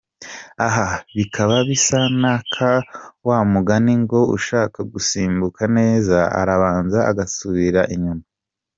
Aha bikaba bisa n’aka wa mugani ngo “Ushaka gusimbuka neza arabanza agasubira inyuma.